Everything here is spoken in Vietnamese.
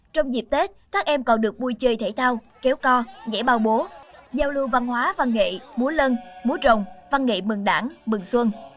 trong dịp tết các em còn được vui chơi thể thao kéo co nhảy bao bố giao lưu văn hóa văn nghệ múa lân múa rồng văn nghệ mừng đảng mừng xuân